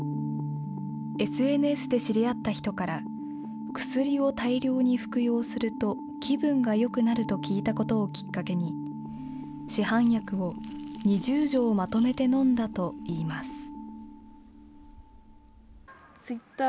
ＳＮＳで知り合った人から、薬を大量に服用すると、気分がよくなると聞いたことをきっかけに、市販薬を２０錠まとめて飲んだといいます。